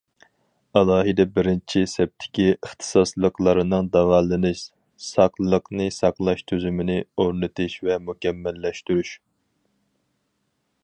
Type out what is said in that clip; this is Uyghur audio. ئالاھىدە بىرىنچى سەپتىكى ئىختىساسلىقلارنىڭ داۋالىنىش- ساقلىقنى ساقلاش تۈزۈمىنى ئورنىتىش ۋە مۇكەممەللەشتۈرۈش.